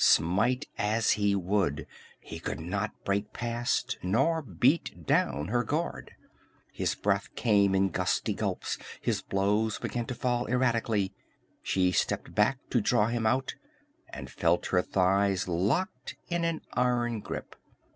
Smite as he would, he could not break past nor beat down her guard. His breath came in gusty gulps, his blows began to fall erratically. She stepped back to draw him out and felt her thighs locked in an iron grip.